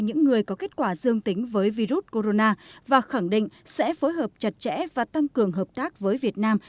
những người có kết quả dương tính với virus corona và khẳng định sẽ phối hợp chặt chẽ và tăng cường hợp tác với việt nam